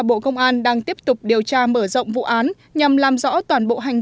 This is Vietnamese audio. ra quyết định khởi tố bộ công an đang tiếp tục điều tra mở rộng vụ án nhằm làm rõ toàn bộ hành